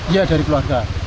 iya dari keluarga